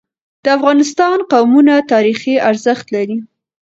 د افغانستان قومونه تاریخي ارزښت لري.